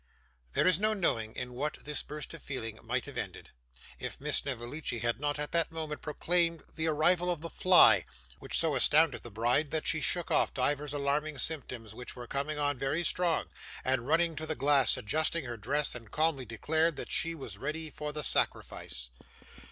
There is no knowing in what this burst of feeling might have ended, if Miss Snevellicci had not at that moment proclaimed the arrival of the fly, which so astounded the bride that she shook off divers alarming symptoms which were coming on very strong, and running to the glass adjusted her dress, and calmly declared that she was ready for the sacrifice.